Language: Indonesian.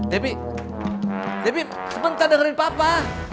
debbie sebentar dengerin papa